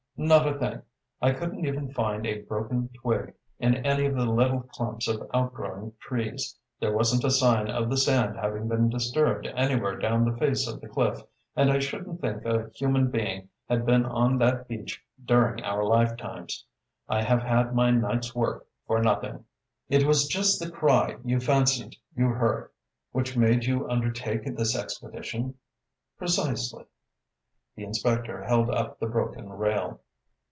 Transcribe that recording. "Not a thing. I couldn't even find a broken twig in any of the little clumps of outgrowing trees. There wasn't a sign of the sand having been disturbed anywhere down the face of the cliff, and I shouldn't think a human being had been on that beach during our lifetimes. I have had my night's work for nothing." "It was just the cry you fancied you heard which made you undertake this expedition?" "Precisely!" The inspector held up the broken rail.